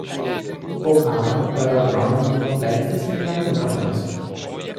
Po karo aerodromas buvo apleistas ir nenaudojamas.